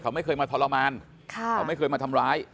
เขาไม่เคยมาทรมานเขาไม่เคยมาทำร้าย